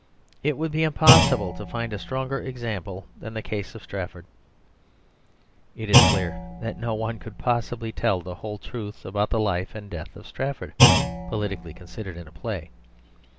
It would be impossible to find a stronger example than the case of Strafford. It is clear that no one could possibly tell the whole truth about the life and death of Strafford, politically considered, in a play.